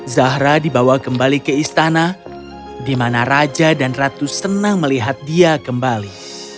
zahra dibawa kembali ke istana di mana raja dan ratu senang melihat dia kembali